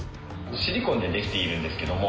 シリコンで出来ているんですけれども。